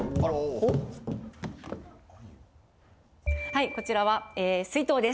・おっ・はいこちらは水筒です。